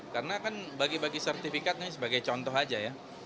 karena kan bagi bagi sertifikat ini sebagai contoh aja ya